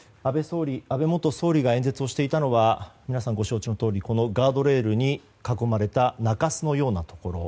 安倍元総理が演説していたのは皆さん、ご承知のとおりガードレールに囲まれた中州のようなところ。